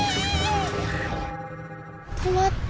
止まった。